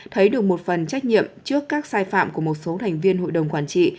thấy được một phần trách nhiệm trước các sai phạm của một số thành viên hội đồng quản trị